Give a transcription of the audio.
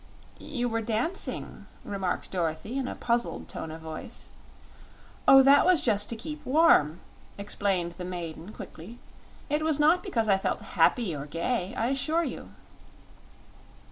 "You were dancing," remarked Dorothy, in a puzzled tone of voice. "Oh, that was just to keep warm," explained the maiden, quickly. "It was not because I felt happy or gay, I assure you."